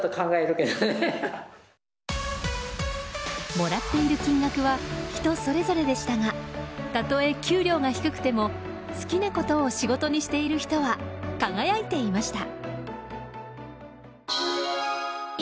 もらっている金額は人それぞれでしたがたとえ給料が低くても好きなことを仕事にしている人は輝いていました。